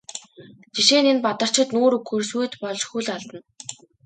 Жишээ нь энэ Бадарчид нүүр өгөхөөр сүйд болж хөл алдана.